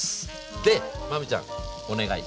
で真海ちゃんお願い。